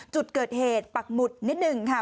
จุดเกิดเหตุปักหมุดนิดหนึ่งค่ะ